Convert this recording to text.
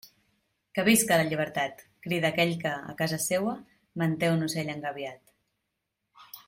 Que visca la llibertat, crida aquell que, a casa seua, manté un ocell engabiat.